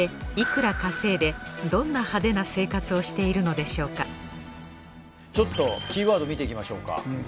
そしてちょっとキーワード見ていきましょうか。